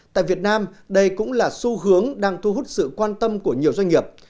tại việt nam đây cũng là xu hướng đang thu hút sự quan tâm của nhiều doanh nghiệp